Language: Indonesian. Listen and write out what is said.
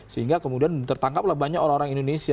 sehingga kemudian tertangkap lah banyak orang orang indonesia